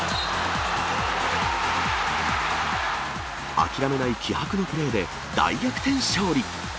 諦めない気迫のプレーで大逆転勝利。